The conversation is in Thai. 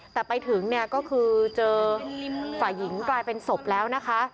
แต่ไปถึงเนี่ยก็คือเจอฝ่ายหญิงกลายเป็นศพแล้วนะคะ